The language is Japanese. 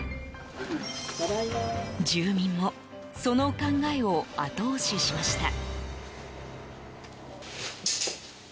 住民もその考えを後押ししました。